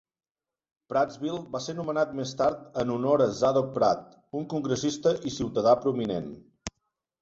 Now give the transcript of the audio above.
Prattsville va ser nomenat més tard en honor a Zadock Pratt, un congressista i ciutadà prominent.